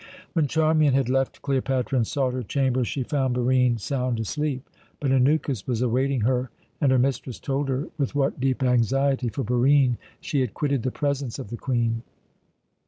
When Charmian had left Cleopatra and sought her chamber, she found Barine sound asleep, but Anukis was awaiting her, and her mistress told her with what deep anxiety for Barine she had quitted the presence of the Queen.